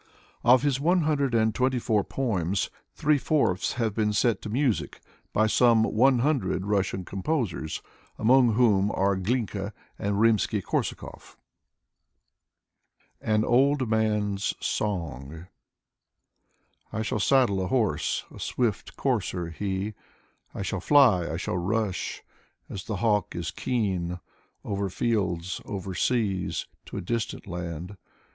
Of his one hundred and twenty four poems, three fourths have been set to music by some one hundred Russian composers, among whom are Glinka and Rimsky Korsakoff. 15 1 6 Alexey Koltzov AN OLD MAN'S SONG I shall saddle a horse, A swift courser, he, I shall fly, I shall rush, As the hawk is keen, Over fields, over seas, To a distant land.